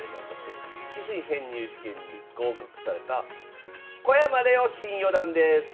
棋士編入試験に合格された小山怜央新四段です。